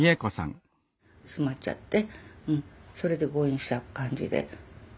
詰まっちゃってそれで誤えんした感じで。